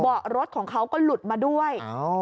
เบาะรถของเขาก็หลุดมาด้วย